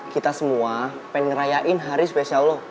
kita semua pengen ngerayain hari spesial allah